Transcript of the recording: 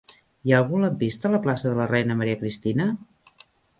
Hi ha algun lampista a la plaça de la Reina Maria Cristina?